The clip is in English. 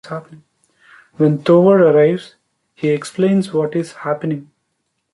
When Tovar arrives, he explains what is happening.